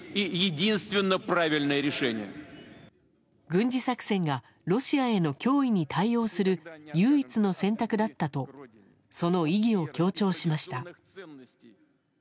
軍事作戦がロシアへの脅威に対応する唯一の選択だったとその意義を強調しました。